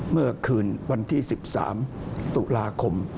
เมื่อคืนวันที่๑๓ตุลาคม